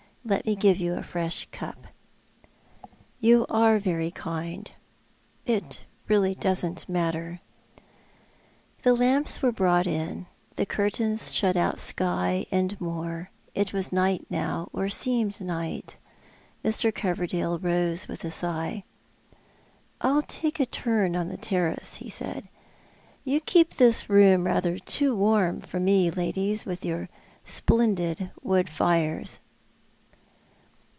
Let me give you a fresh cup." " You are very kind. It really doesn't matter." The lamps were brought in. The curtains shut out sky and moor. It was night now— or it seemed night. Mr. Coverdale rose with a sigh —" I'll take a turn on the terrace," he said. " You keep this room rather too warm for me, ladies, with your splendid wood fires."